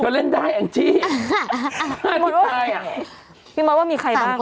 เธอเล่นได้แอ่งที่